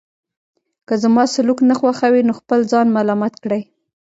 که زما سلوک نه خوښوئ نو خپل ځان ملامت کړئ.